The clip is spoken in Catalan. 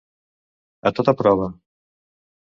A tota prova.